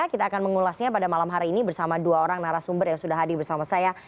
kita akan mengulasnya pada malam hari ini bersama dua orang narasumber yang sudah hadir bersama saya